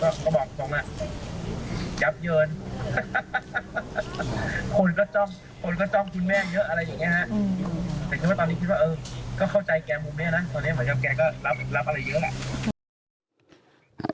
แต่คิดว่าตอนนี้คิดว่าเออก็เข้าใจแกมุมนี้นะตอนนี้เหมือนแกก็รับอะไรเยอะแหละ